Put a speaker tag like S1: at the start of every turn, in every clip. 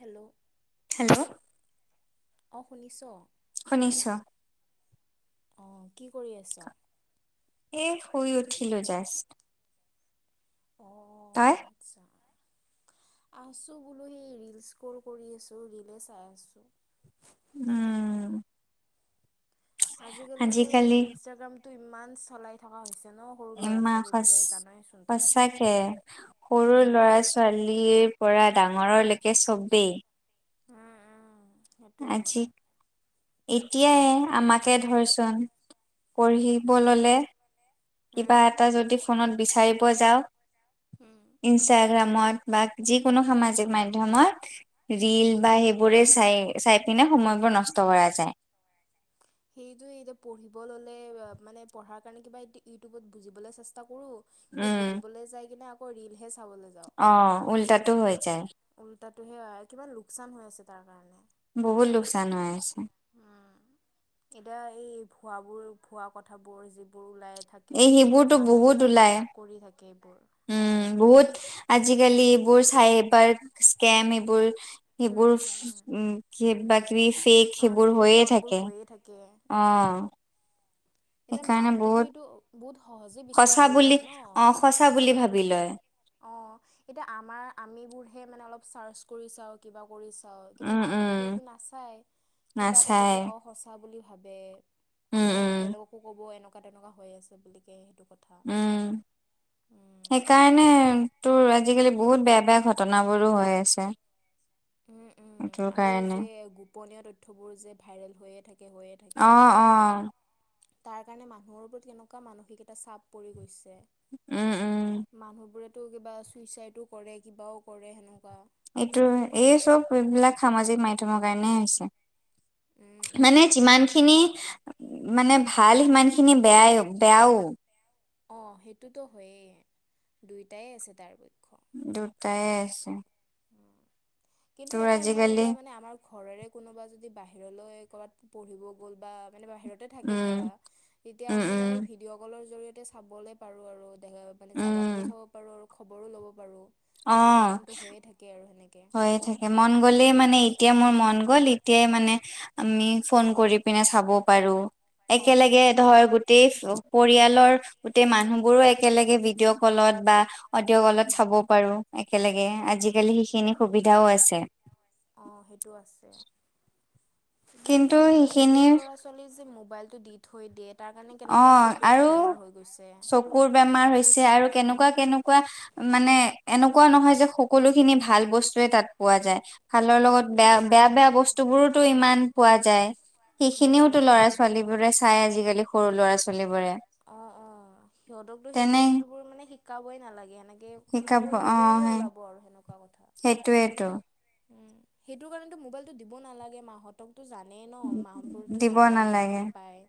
S1: Hello.
S2: Hello.
S1: অ' শুনিছো অ
S2: শুনিছো
S1: অ' কি কৰি আছা?
S2: এই শুই উঠিলো জাষ্ট।
S1: অ'।
S2: তই?
S1: ছাৰ আছো বোলো সেই ৰিলছ স্কল কৰি আছো, ৰিলে চাই আছো।
S2: উম।
S1: আজি-কালিটো, এই
S2: আজিকালি
S1: ইনষ্টাগ্ৰামটো ইমান চালাই থাকা হৈছে ন। সৰু ল'ৰা
S2: ইমান
S1: ছোৱালীবোৰে জানইচোন তই
S2: সচ-সচাকে সৰু
S1: উম
S2: ল'ৰা ছো ছোৱালীৰে পৰা ডাঙৰলৈকে চবেই।
S1: উম উম। সেইটোৱে
S2: আজি এতিয়াই আমাকে ধৰচোন পঢ়িব ল'লে। কিবা
S1: উম
S2: এটা যদি ফোনত বিচাৰিব যাওঁ,
S1: উম
S2: ইনষ্টাগ্ৰামত বা যিকোনো সামাজিক মাধ্যমত ৰিল
S1: উম
S2: বা সেইবোৰে চাই, চাই পিনে সময়বোৰ নষ্ট কৰা যায়।
S1: সেইটোৱে তো পঢ়িব ল'লে, মানে পঢ়াৰ কাৰণে কিবা এটা ইউটিউবত বুজিবলে চেষ্টা কৰো। কিন্তু
S2: উম
S1: বুজিবলে যাই কিনে আকৌ ৰিলহে চাবলৈ যাওঁ
S2: অ উল্টাটো হৈ যায়
S1: উল্টাটোহে আ কিমান লোকচান হৈ আছে তাৰ কাৰণে
S2: বহুত লোকচান হৈ আছে
S1: উম এতিয়া এই ভুৱাবোৰ ভুৱা কথাবোৰ যিবোৰ ওলাই থাকে
S2: এই সেইবোৰতো
S1: মানুহে
S2: বহুত
S1: কিমান
S2: ওলাই
S1: বিশ্বাস কৰি থাকে এইবোৰ অঁ
S2: উম বহুত আজিকালি এইবোৰ চাইবাৰ স্কেম এইবোৰ
S1: উম
S2: সেইবোৰ উফ
S1: উম
S2: উম কিবা কিবি পেক
S1: অঁ
S2: সেইবোৰ
S1: যিবোৰ
S2: হৈয়ে
S1: ফ্ৰডবোৰ
S2: থাকে
S1: হৈয়ে থাকে
S2: অ
S1: উম। এতিয়া
S2: সেইকাৰণে
S1: মাহঁতেটো
S2: বহুত
S1: এইটো বহুত সহজে বিশ্বাস
S2: সঁচা
S1: কৰি
S2: বুলি
S1: লয় ন?
S2: অ সঁচা বুলি
S1: অঁ
S2: ভাবি লয়
S1: সঁচাকে। অ এতিয়া আমাৰ আমিবোৰহে মানে অলপ চাৰ্চ কৰি চাওঁ। কিবা কৰি চাওঁ, কিন্তু
S2: উম উম
S1: মাহতেতো এইটো নাচাই কিবা এটা
S2: নাচায়
S1: দিলে অ সঁচা বুলি ভাবে,
S2: উম
S1: আন
S2: উম
S1: বেলেগকো ক'ব এনেকুৱা তেনেকুৱা হৈ আছে বুলি কে সেইটো ক
S2: উম সেই কাৰণে তোৰ আজিকালি বহুত বেয়া বেয়া ঘটনাবোৰো হৈ আছে।
S1: উম উম
S2: এইটোৰ
S1: আৰু এই
S2: কাৰণে
S1: যে গোপনীয় তথ্যবোৰ যে ভাইৰেল হৈয়ে থাকে হৈয়ে থাকে,
S2: অ অ
S1: তাৰ কাৰণে মানুহৰ ওপৰত এনকুৱা মানসিক এটা চাপ পৰি গৈছে
S2: উম উম
S1: মানুহবোৰেটো কিবা চুইচাইডো কৰে কিবাও কৰে সেনকুৱা।
S2: এইটো হয়, এই চব এইবিলাক সামাজিক মাধ্যমৰ কাৰণে হৈছে।
S1: এ
S2: মানে যিমান খিনি মানে ভাল, সিমান খিনি বেয়াই বেয়াও।
S1: অঁ সেইটোতো হয়েই দুইটাই আছে তাৰপক্ষ।
S2: দুটাই আছে।
S1: উম কিন্তু
S2: তোৰ
S1: এটা ভাল
S2: আজিকালি
S1: এতিয়া মানে আমাৰ ঘৰৰে কোনোবা যদি বাহিৰলৈ ক'ৰবাত পঢ়িব গ'ল বা মানে বাহিৰত তে থাকে ধৰা
S2: উম
S1: এতিয়া
S2: উম
S1: আমি
S2: উম
S1: মানে ভিডিঅ কলৰ জৰিয়তে চাবলে পাৰোঁ আৰু মানে জাগাটোও
S2: উম
S1: চাব পাৰো আৰু খবৰো ল'ব পাৰো,
S2: অ
S1: আদান প্ৰদানটো হৈয়ে থাকে কে আৰু সেনেকে।
S2: হৈয়ে থাকে মন গ'লেই মানে এতিয়া মোৰ মন গ'ল এতিয়াই মানে আমি ফোন কৰি পিনে চাব পাৰোঁ,
S1: অঁ
S2: একেলগে
S1: অঁ
S2: ধৰ গোটেই পৰিয়ালৰ গোটেই মানুহ বোৰো একেলগে ভিডিঅ' কলত বা অডিঅ' কলত চাব
S1: উম
S2: পাৰোঁ একেলগে
S1: উম উম
S2: আজিকালি সিখিনি সুবিধাও আছে।
S1: অ সেইটো আছে, কিন্তু সেই সৰু লৰা ছ ছোৱালী যে মবাইলটো দি থৈ দিয়ে তাৰ কাৰণে কেনকুৱা
S2: অ'
S1: চকুৰ
S2: আৰু
S1: এটা বেমাৰ হৈ গৈছে।
S2: চকুৰ বেমাৰ হৈছে আৰু কেনকুৱা কেনকুৱা মানে এনকুৱা নহয় যে সকলোখিনি ভাল বস্তুয়ে তাত পোৱা যায়। ভালৰ লগত
S1: উম
S2: বেয়া, বেয়া
S1: নাপায়
S2: বেয়া
S1: নাপায়
S2: বস্তু বোৰোতো ইমান পোৱা যায়।
S1: উম
S2: সেইখিনিওতো ল'ৰা ছোৱালী বোৰে চাই আজিকালি। সৰু ল'ৰা ছোৱালীবোৰে
S1: অ অ সিহঁতকতো সেই
S2: তেনে
S1: বস্তু বোৰ মানে শিকাবই নালাগে এনেক কে
S2: শিকাব
S1: সেইবোৰ নিজে নিজে ওলাব আৰু সেনকুৱা কথা।
S2: সেইটোৱেতো।
S1: উম সেইটোৰ কাৰণেতো মোবাইলটো দিব নালাগে মাহত। তকতো জানেই ন মা বোৰতো
S2: দিব
S1: জানেই কি
S2: নালাগে।
S1: কি পায়।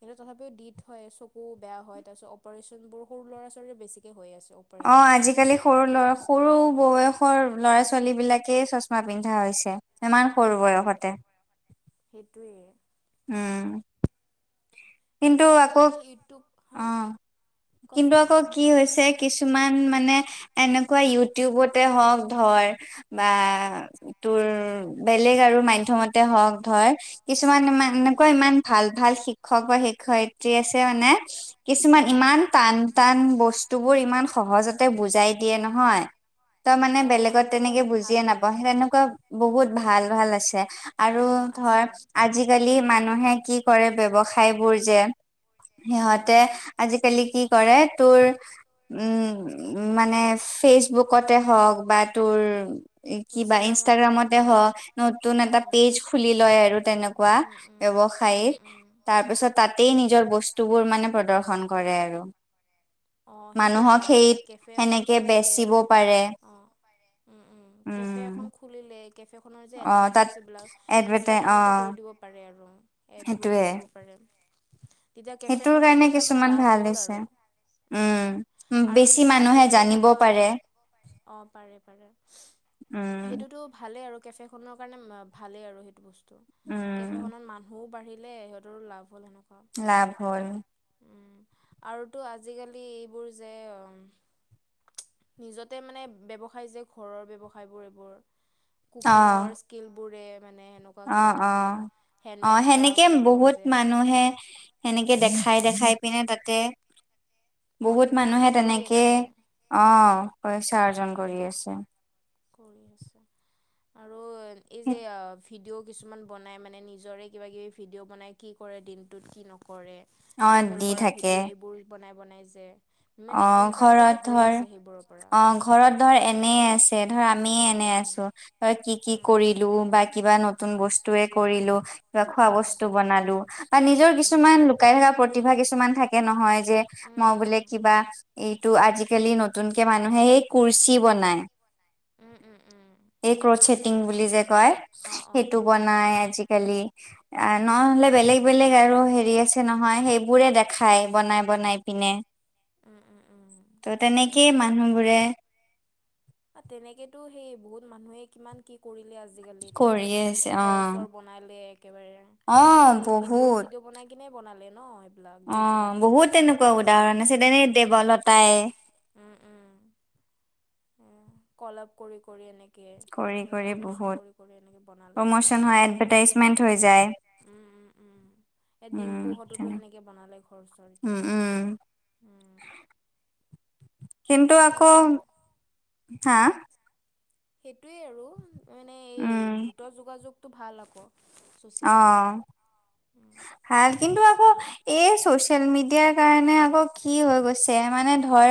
S1: কিন্তু তথাপিও দি থই, চকু বেয়া হয় তাৰপিছত অপাৰেচনবোৰ সৰু ল'ৰা ছোৱালীৰ বেছিকে হৈ আছে অপ
S2: অঁ আজিকালি সৰু ল'ৰা সৰু বয়সৰ ল'ৰা ছোৱালী বিলাকে চচমা পিন্ধা হৈছে। ইমান
S1: উম,
S2: সৰু
S1: উম,
S2: বয়সতে।
S1: সেইটোৱে।
S2: উম। কিন্তু
S1: এটা
S2: আকৌ
S1: ভাল ইউটিউব হা
S2: অঁ। কিন্তু
S1: কচোন?
S2: আকৌ কি হৈছে কিছুমান মানে এনেকুৱা ইউটিউবতে হওক ধৰ বা তোৰ বেলেগ আৰু মাধ্যমতে হওঁক ধৰ কিছুমান ইমান
S1: উম।
S2: এনেকুৱা ইমান ভাল ভাল শিক্ষক বা শিক্ষয়ত্ৰী আছে মানে কিছুমান
S1: উম।
S2: ইমান টান টান বস্তুবোৰ ইমান সহজতে বুজাই দিয়ে নহয়। তই মানে
S1: অ',
S2: বেলেগত
S1: সেইটো
S2: তেনেকে
S1: কাৰণে
S2: বুজিয়ে
S1: ভালেই।
S2: নাপাৱ সেই তেনেকুৱা বহুত ভাল ভাল আছে।
S1: অ',
S2: আৰু
S1: অ',
S2: ধৰ
S1: আছে।
S2: আজিকালি মানুহে কি কৰে ব্যৱসায় বোৰ যে
S1: উম
S2: সিহঁতে
S1: উম।
S2: আজিকালি কি কৰে তোৰ উম মানে ফেচবুক কতে হক বা তোৰ কিবা
S1: ইনষ্টাগ্ৰামতে হওক
S2: ইনষ্ট্ৰগ্ৰামতে
S1: মানে
S2: হক নুত তুন এটা
S1: অ',
S2: পেজ খুলি লয় আৰু তেনেকুৱা
S1: উম, উম,
S2: ব্যয়ৱসায়
S1: উম, উম।
S2: তাৰপিছত তাতেই নিজৰ বস্তু বোৰ মানে প্ৰদৰ্শন কৰে আৰু।
S1: অ‍ঁ সেইটো
S2: মানুহক
S1: ভাল
S2: সেই
S1: মানে কেফে এখন
S2: সেনেকে
S1: খুলিলে
S2: বেচিব পাৰে
S1: অঁ উম উম কেফে এখন খুলিলে কেফেখনৰ যে
S2: অ তাত
S1: এডভাৰ্টাইজ এইবিলাক
S2: এডভাৰটাই অ
S1: ইনষ্টাগ্ৰামতে কৰি দিব পাৰে আৰু এডচবোৰ দি
S2: সেইটোয়ে
S1: দিব পাৰে। তেতিয়া কেফে
S2: সেইটোৰ কাৰণে
S1: খনৰো এটা মানে
S2: কিছুমান
S1: লাভ
S2: ভাল
S1: হ'ল
S2: হৈছে
S1: আৰু। উম আৰু
S2: বেছি
S1: যো
S2: মানুহে
S1: আজিকালি
S2: জানিব
S1: এনেকুৱা
S2: পাৰে
S1: অঁ পাৰে পাৰে
S2: উম
S1: সেইটোতো ভালে আৰু কেফে খনৰ কাৰনে ভালে আৰু সেইটো বস্তু
S2: উম
S1: কেফে খনত মাত মানুহো বাঢ়িলে সিহঁতৰ লাভ হ'ল সেনেকুৱা।
S2: লাভ হ'ল।
S1: উম আৰুতো আজিকালি এইবোৰ যে নিজতে মানে ব্যৱসায় যে ঘৰৰ ব্যৱসায়বোৰ এইবোৰ- কুকিঙৰ স্কিলবোৰে মানে সেনেক
S2: অঁ অঁ অঁ সেনেকে
S1: এইবোৰ
S2: বহুত
S1: যে
S2: মানুহে সেনেকে দেখাই দেখাই পিনে তাতে
S1: অঁ
S2: বহুত
S1: ইনকাম এটা
S2: মানুহে
S1: কৰি আছে
S2: তেনেকেই অঁ পইচা অৰ্জন কৰি
S1: উম
S2: আছে।
S1: কৰি আছে আৰু এই যে- ভিডিঅ' কিছুমান বনাই মানে নিজৰে কিবা কিবি ভিডিঅ' বনাই কি কৰে দিনটোত কি নকৰে
S2: অ
S1: ট্ৰেভেল
S2: দি
S1: কৰা
S2: থাকে
S1: ভিডিঅ' এইবোৰ বনাই বনাই যে মানে
S2: অঁ
S1: ইনকাম এটাটো
S2: ঘৰত
S1: হৈ
S2: ধৰ
S1: আছে সেইবোৰৰ পৰা
S2: অঁ ঘৰত ধৰ এনে আছে ধৰ আমিয়ে এনে
S1: উম উম
S2: আছো কি কি
S1: উম
S2: কৰিলো বা কিবা নতুন বস্তুৱে কৰিলো বা খোৱা বস্তু বনালো বা নিজৰ
S1: উম
S2: কিছুমান
S1: উম
S2: লুকাই থকা প্ৰত প্ৰতিভা কিছুমান থাকে নহয় যে মই বোলে কিবা এইটো আজিকালি নতুনকে মানুহে সেই কুৰ্চি বনাই এই ক্ৰট চেটিং বুলি যে কয়
S1: অ অ
S2: সেইটো
S1: গম
S2: বনাই
S1: পাইছোঁ।
S2: আজি কালি নহলে বেলেগ বেলেগ আৰু হেৰি আছে নহয় সেইবোৰে দেখ খাই বনাই বনাই পিনে।
S1: উম উম উম।
S2: ত'
S1: গম
S2: তেনেকেই মানুহবোৰে
S1: অ তেনেকেতো সেই বহুত মানুহেই কিমান কি- কৰিলে আজিকালিটো
S2: কৰি
S1: এতিয়া
S2: আছে অ
S1: খৰচৰ বনালে একেবাৰে।
S2: অ',
S1: সেই ভিডিঅ
S2: বহুত
S1: চিডিঅও বনাই কিনে বনালে ন। এইবিলাক দি কিনে
S2: অঁ বহুত তেনেকুৱা
S1: অ
S2: উদাহৰণ আছে যেনেকে দেৱলতাই।
S1: উম উম। অঁ কলপ কৰি কৰি এনেক কে
S2: কৰি
S1: এনেকে
S2: কৰি
S1: প্ৰমচন
S2: বহুত
S1: কৰি কৰি এনেকে বনালে আৰু
S2: প্ৰমোচন হয় এডভাৰটাইজমেন্ট
S1: ঘ
S2: হৈ
S1: উম।
S2: যায়
S1: উম উম উম এ
S2: উম,
S1: ডিম্পুহটোহতোটো
S2: তেনে
S1: সেনেকে বনালে ঘৰ চৰ এতিয়া।
S2: উম, উম,
S1: উম।
S2: কিন্তু
S1: এনেকুৱা
S2: আকৌ,
S1: বহু
S2: হা?
S1: সেইটোৱেই আৰু মানে
S2: উম,
S1: এই দ্ৰুত যোগাযোগটো ভাল আকৌ। ছ'চিয়েল
S2: অ
S1: মিডিয়াত উম
S2: 'ভাল কিন্তু আকৌ। এই চ'চিয়েল মিডিয়াৰ কাৰণে আকৌ কি হৈ গৈছে মানে ধৰ।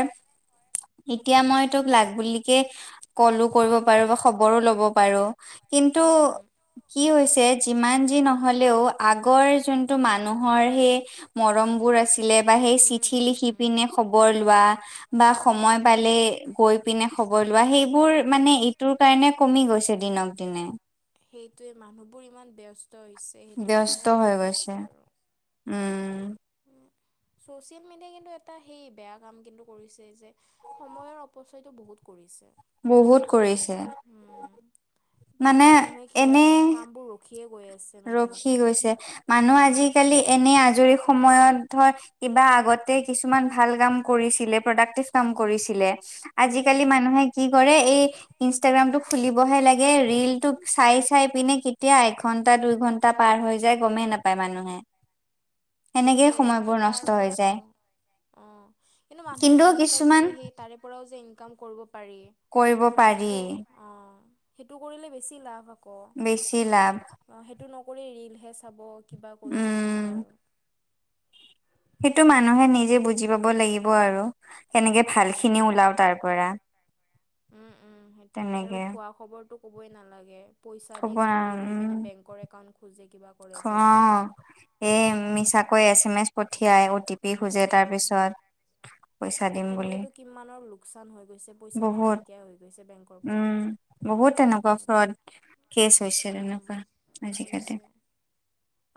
S2: এতিয়া মই তোক লাগ বুলিকে কলো কৰিব পাৰো বা খবৰো ল'ব পাৰো। কিন্তু।
S1: উম উম
S2: কি হৈছে যিমান যি নহ'লেও আগৰ যোনটো মানুহৰ সেই। মৰমবোৰ আছিলে। বা সেই
S1: উম
S2: চিঠি
S1: উম
S2: লিখি
S1: উম
S2: পিনে খবৰ লোৱা, বা
S1: অঁ অঁ
S2: সময় পালে গৈ। পিনে খবৰ লোৱা, সেইবোৰ
S1: উম
S2: মানে ইটোৰ কাৰণে কমি গৈছে দিনক দিনে।
S1: সেইটোৱে মানুহবোৰ ইমান ব্যস্ত হৈছে সেইটো
S2: ব্যস্ত
S1: কাৰণটো
S2: হৈ
S1: কমি গৈছে আৰু।
S2: উম।
S1: চ'চিয়েল মিডিয়াই কিন্তু এটা সেই বেয়া কাম কিন্তু কৰিছে যে। সময়ৰ অপচয়টো বহুত কৰিছে।
S2: বহুত কৰিছে। মানে
S1: কিমান মানুহে
S2: এনে
S1: কামবোৰ ৰখিয়ে গৈ আছে। মানে
S2: ৰখি
S1: এনেকুৱা।
S2: গৈছে, মানুহ
S1: উম।
S2: আজিকালি এনে আজৰি সময়ত ধৰ। কিবা আগতে কিছুমান ভাল কাম কৰিছিলে প্ৰডাক্টিভ কাম কৰিছিলে।
S1: উম,
S2: আজিকালি
S1: উম।
S2: মানুহে কি। কৰে এই ইনষ্টাগ্ৰাম টো খুলিবহে লাগে ৰিল টো চাই চাই পিনে কেতিয়া। ঘটা দুই ঘণ্টা পাৰ হৈ যায় গমেই নাপায় মানুহে। সেনেকেই
S1: সেইটোয়ে কিন্তু
S2: সময়বোৰ নষ্ট
S1: তাৰ
S2: হৈ
S1: পৰা
S2: যায়
S1: অ'। অ' কিন্তু মানুহে গম নাপায় কি সেই তাৰে পৰাও যে ইনকাম কৰিব। পাৰি
S2: কৰিব পাৰি
S1: সেইটোতো অঁ সেইটো কৰিলে বেছি লাভ আকৌ।
S2: বেছি লাভ।
S1: অ' সেইটো নকৰি ৰিলহে চাব কিবা কৰিব
S2: উম
S1: সেনেকুৱা আৰু।
S2: সেইটো মানুহে নিজে বুজি পাব লাগিব আৰু। সেনেকে ভাল খিনি
S1: উম
S2: ওলাও তাৰ পৰা।
S1: উম উম, সেইটোৱে আৰু
S2: তেনেকে
S1: ভুৱা খবৰটো কবই নালাগে। পইচা
S2: ক'ব
S1: দিম বুলি কৈ কিনে বেংকৰ একাউণ্ট খোজে কিবা। কৰে যে এইবোৰ
S2: অ' এই
S1: উম
S2: মিছাকৈ এছ এম এছ পঠিয়াই অ' টি পি
S1: উম
S2: খোজে তাৰপিছত। পইচা দিম বুলি
S1: তেনেকেতটো কিমানৰ লোকচান হৈ গৈছে, পইচাবোৰ
S2: বহুত
S1: নাইকিয়া হৈ গৈছে বেংকত। পৰা,
S2: উম, বহুত তেনেকুৱা ফ্ৰড কেচ হৈছে
S1: সেইটোৱেই
S2: তেনেকুৱা
S1: উম
S2: আজিকালি
S1: হৈছে।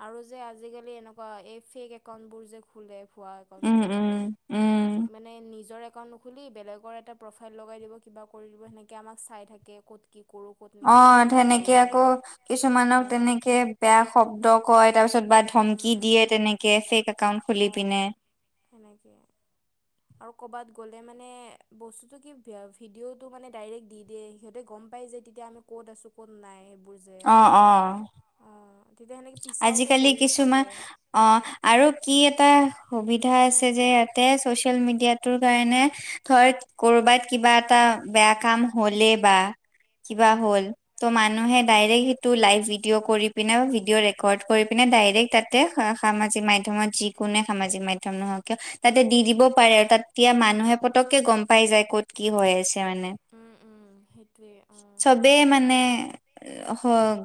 S1: আৰু যে আজিকালি এনেকুৱা এই ফেক একাউণ্টবোৰ যে খোলে। খোৱা অকণ
S2: উম, উম,
S1: বোৰবোৰ
S2: উম,
S1: [unintelligible] মানে নিজৰ একাউণ্ট নোখোলি বেলেগৰ এটা প্ৰফাইল লগাই দিব কিবা কৰি দিব সেনেকে আমাক চাই থাকে ক'ত। কি কৰো ক'ত। নে কি
S2: অ' সনেকে
S1: নকৰোঁ
S2: আকৌ কিছুমানক
S1: অঁ
S2: তেনেকে। বেয়া শব্দ কয়, তাৰ পিছত বা
S1: উম
S2: ধমকি
S1: উম
S2: দিয়ে তেনেকে ফেক একাউন্ট খুলি পিনে।
S1: সেনেকে আৰু। আৰু ক'ৰবাত গ'লে মানে বস্তুতটো কি ভিডিঅ'টো মানে ডাইৰেক্ট দি দিয়ে সিহঁতে গম। পাই যে তেতিয়া আমি ক'ত আছো ক'ত নাই এইবোৰ।
S2: অঁ অঁ।
S1: অঁ তেতিয়া সেনেকৈ পিছাওতো কৰিব পাৰে।
S2: অঁ আৰু কি এটা সুবিধা আছে যে ইয়াতে ছচিয়েল মিডিয়াটোৰ কাৰণে ঠৈট কৰবাত কিবা এটা বেয়া কাম হ'লে বা কিবা
S1: উম,
S2: হ'ল
S1: উম,
S2: ত' মানুহে ডাইৰেক্ট সেইটো লাইভ ভিডিঅ' কৰি পিনে ভিডিঅ' ৰেকৰ্ড কৰি পিনে ডাইৰেক্ট তাতে সামাজিক মাধ্যমত যিকোনে সামাজিক মাধ্যম নহওক কিয় তাতে দি দিব পাৰে আৰু তাত এতিয়া মানুহে পতককে গম পাই যায় ক'ত কি হৈ আছে মানে
S1: উমঁ উমঁ সেইটো
S2: চবেই মানে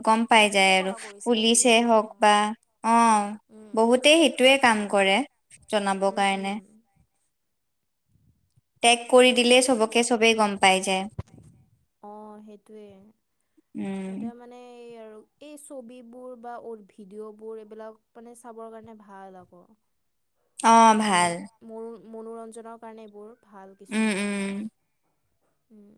S2: গম পাই যায়
S1: সেইটোৱে
S2: আৰু
S1: কৰা কৰিছে
S2: পুলিচে
S1: আজিকালি
S2: হওক
S1: অ',
S2: বা অঁ
S1: উম,
S2: বহুতেই সেইটোয়ে কাম কৰে জনাব
S1: উম, উম,
S2: কাৰণে পেগ কৰি দিলেই
S1: কিছুম
S2: সবকে চবেই গম পাই যায়
S1: অঁ সেইটোৱে
S2: উম,
S1: এ মানে এই আৰু এই ছবিবোৰ বা ভিডিঅ'বোৰ এইবিলাক মানে চাবৰ কাৰণে ভাল আকৌ
S2: অ',
S1: কিছুমান
S2: ভাল
S1: মোৰ মনোৰঞ্জনৰ কাৰণে এইবোৰ ভাল
S2: উম,
S1: কিছুমান
S2: উম,
S1: উমঁ!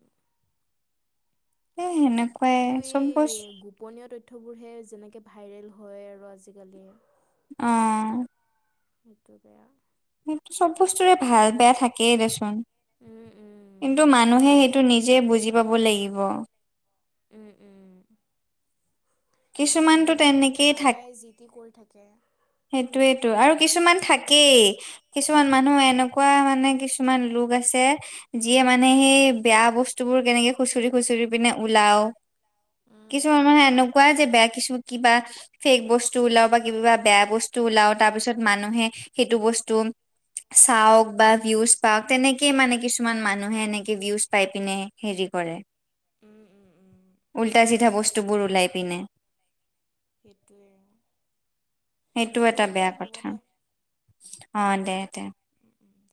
S2: এই সেনেকুৱাই
S1: কিন্তু এই
S2: চব বস্তু
S1: গুপ পোপনীয় তথ্যবোৰহে যেনেকৈ ভাইৰেল হয় আৰু আজিকালি
S2: অঁ!
S1: সেইটো বেয়া
S2: চব বস্তুৰে ভাল বেয়া থাকেই দেচোন
S1: উম উম
S2: কিন্তু মানুহে
S1: সেইটোৱে
S2: সেইটো
S1: কথা
S2: নিজে বুজি পাব লাগিব
S1: উমঁ উমঁ! সেইটোৱে
S2: কিছুমানতো
S1: বুজি চুজি
S2: তেনেকেই
S1: নাপায় যি তি কৰি থাকে
S2: সেইটোৱেতো আৰু কিছুমান থাকেই কিছুমান মানুহ এনেকুৱা মানে কিছুমান লোক আছে যিয়ে মানে সেই বেয়া বস্তুবোৰ কেনেকে খুচৰি খুচৰি পিনে ওলাও
S1: উম
S2: কিছুমান
S1: উম
S2: মানুহে এনেকুৱা যে বেয়া কিছু কিবা ফেক বস্তু ওলাও বা কিবা বেয়া বস্তু ওলাও তাৰ পিছত মানুহে সেইটো বস্তু চাওক বা ভিউজ পাওক তেনেকেই মানে কিছুমান মানুহে এনেকে ভিউজ পাই পিনে হেৰি কৰে
S1: উম উম উম
S2: উল্টা চিধা বস্তুবোৰ ওলাই পিনে
S1: সেইটোৱে দে দে হ'ব দে
S2: অঁ দে দে
S1: উমঁ উমঁ!